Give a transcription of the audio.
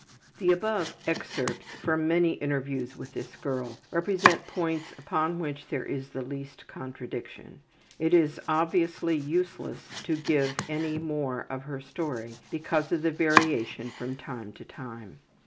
'' The above excerpts from many interviews with this girl represent points upon which there is the least contradiction. It is obviously useless to give any more of her story because of the variation from time to time.